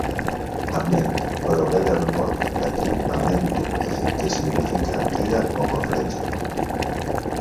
"Ament" prové del mot llatí "amentum", que significa "tira" o "corretja".